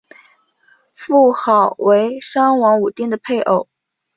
妇好为商王武丁的配偶。